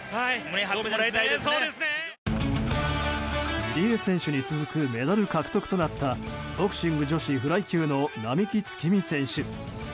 入江選手に続くメダル獲得となったボクシング女子フライ級の並木月海選手。